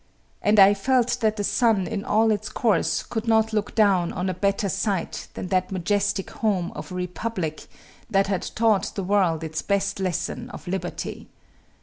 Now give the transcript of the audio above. And I felt that the sun in all its course could not look down on a better sight than that majestic home of a republic that had taught the world its best lessons of liberty.